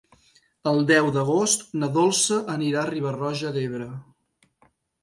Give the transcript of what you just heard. El deu d'agost na Dolça anirà a Riba-roja d'Ebre.